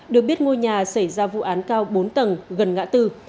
được biết ngôi nhà xảy ra vụ án cao bốn tầng gần ngã tư